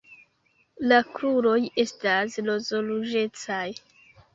La kruroj estas roz-ruĝecaj.